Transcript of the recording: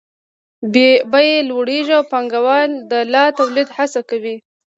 بیې لوړېږي او پانګوال د لا تولید هڅه کوي